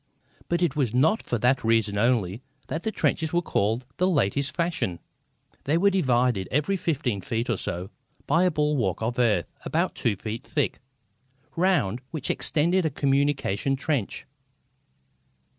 But it was not for that reason only that these trenches were called the latest fashion. They were divided, every fifteen feet or so, by a bulwark of earth about two feet thick, round which extended a communication trench.